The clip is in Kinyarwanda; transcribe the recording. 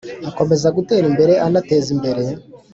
akomeza gutera imbere anateza imbere.